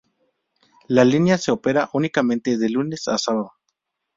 La línea se opera únicamente de lunes a sábado.